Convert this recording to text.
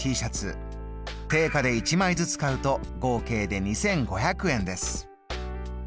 定価で一枚ずつ買うと合計で２５００円です。